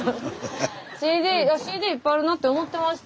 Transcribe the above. ＣＤいっぱいあるなと思ってました。